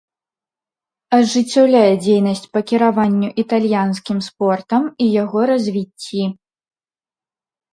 Ажыццяўляе дзейнасць па кіраванню італьянскім спортам і яго развіцці.